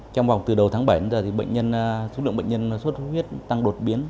trong vòng từ đầu tháng bảy đến giờ số lượng bệnh nhân mắc xuất suyết tăng đột biến